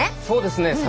そうですね。